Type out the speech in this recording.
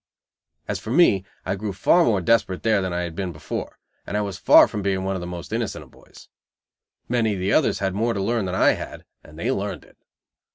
As for me, I grew far more desperate there than I had been before: and I was far from being one of the most innocent of boys. Many of the others had more to learn than I had, and they learned it.